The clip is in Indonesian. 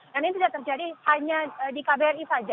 dan ini tidak terjadi hanya di kbri saja